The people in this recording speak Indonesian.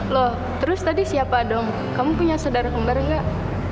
loh terus tadi siapa dong kamu punya saudara kembar nggak